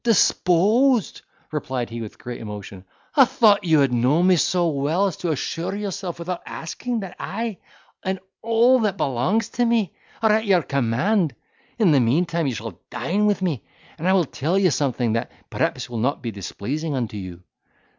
"Disposed!" replied he with great emotion; "I thought you had known me so well as to assure yourself without asking, that I, and all that belongs to me, are at your command. In the meantime you shall dine with me, and I will tell you something that, perhaps, will not be displeasing unto you."